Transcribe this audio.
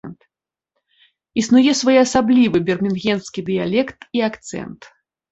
Існуе своеасаблівы бірмінгемскі дыялект і акцэнт.